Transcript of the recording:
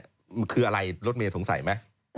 มันคืออะไรรถเมย์สงสัยไหม